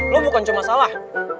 lo bukan cuma salah